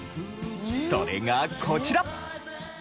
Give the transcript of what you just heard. それがこちら。